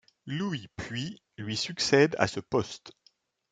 Louis Puy lui succède à ce poste.